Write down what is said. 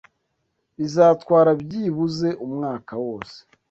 Bizatwara byibuze umwaka wose